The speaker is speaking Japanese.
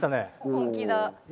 本気だ。